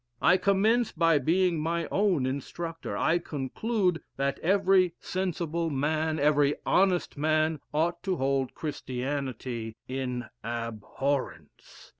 I commence by being my own instructor.... I conclude, that every sensible man, every honest man, ought to hold Christianity in abhorrence.